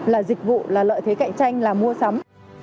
là dịch vụ là lợi thế cạnh tranh là mua sắm